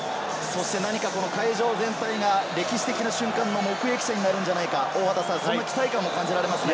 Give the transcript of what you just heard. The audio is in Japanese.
会場全体が歴史的な瞬間の目撃者になるのではないか、そんな期待感も感じられますね。